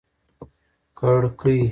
کړکۍ